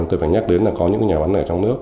tôi phải nhắc đến là có những nhà bán lẻ trong nước